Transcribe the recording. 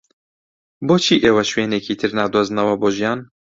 بۆچی ئێوە شوێنێکی تر نادۆزنەوە بۆ ژیان؟